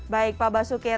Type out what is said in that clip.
baik pak basuki